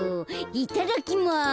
いただきます。